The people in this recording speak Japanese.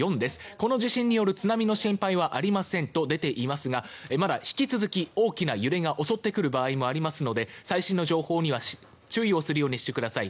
この地震による津波の心配はありませんと出ていますがまだ引き続き大きな揺れが襲ってくる場合もありますので最新の情報には注意をするようにしてください。